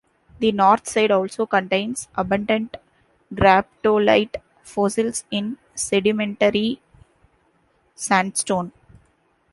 The north side also contains abundant graptolite fossils in sedimentary sandstone.